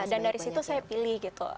dan dari situ saya pilih gitu